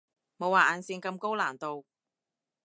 冇畫眼線咁高難度